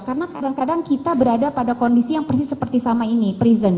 karena kadang kadang kita berada pada kondisi yang persis seperti sama ini present